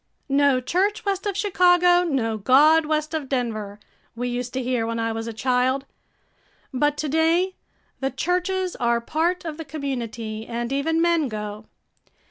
"No church west of Chicago, no God west of Denver," we used to hear when I was a child. But to day, the churches are part of the community and even men go.